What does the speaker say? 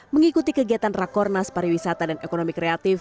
mengikuti kegiatan rakornas pariwisata dan ekonomi kreatif